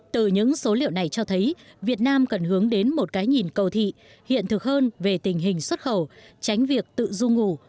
từ những số liệu này cho thấy việt nam cần hướng đến một cái nhìn cầu thị hiện thực hơn về tình hình xuất khẩu tránh việc tự du ngủ